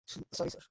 Sorry, sir!